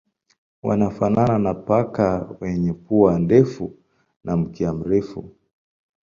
Wanafanana na paka wenye pua ndefu na mkia mrefu.